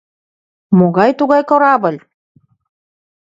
Могай-тугай корабль?